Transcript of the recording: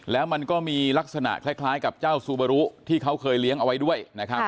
แล้วมันก็มีลักษณะคล้ายกับเจ้าซูบารุที่เขาเคยเลี้ยงเอาไว้ด้วยนะครับ